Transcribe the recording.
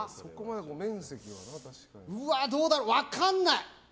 どうだろう、分からない。